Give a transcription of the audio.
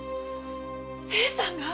清さんが？